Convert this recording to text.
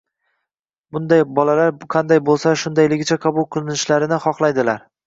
Bunday bolalar qanday bo‘lsalar shundayligicha qabul qilinishlarini xohlaydilar.